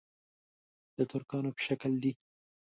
د ترکانو په شکل دي.